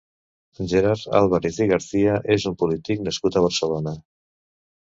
Gerard Álvarez i Garcia és un polític nascut a Barcelona.